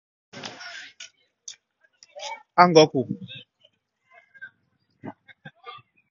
Le est une période féconde pour les écrivains, protégés par le roi.